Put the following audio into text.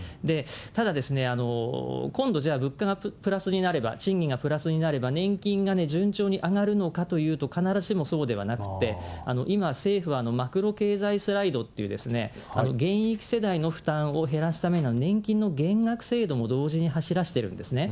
ただですね、今度じゃあ、物価がプラスになれば、賃金がプラスになれば、年金が順調に上がるのかというと、必ずしもそうではなくて、今、政府はマクロ経済スライドっていう、現役世代の負担を減らすために年金の減額制度も同時に走らせているんですね。